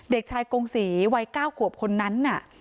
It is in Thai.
เด็กชายกงศรีวัย๙ขวบคนนั้นน่ะ